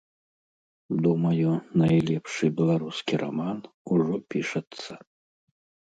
Думаю, найлепшы беларускі раман ужо пішацца.